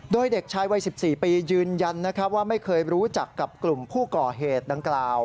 โดยเด็กชายวัย๑๔ปียืนยันว่าไม่เคยรู้จักกับกลุ่มผู้ก่อเหตุดังกล่าว